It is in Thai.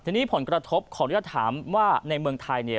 ทีนี้ผลกระทบของเรียกว่าถามว่าในเมืองไทย